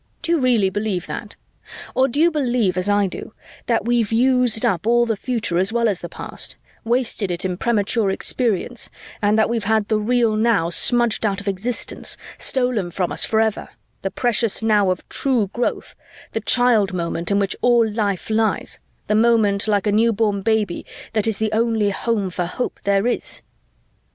Do you really believe that? Or do you believe, as I do, that we've used up all the future as well as the past, wasted it in premature experience, and that we've had the real now smudged out of existence, stolen from us forever, the precious now of true growth, the child moment in which all life lies, the moment like a newborn baby that is the only home for hope there is?"